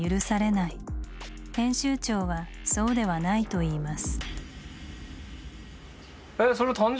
編集長はそうではないと言います。